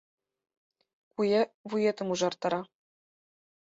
Куэ вуетым ужартара